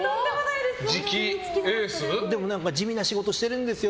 次期エース？でも地味な仕事してるんですよ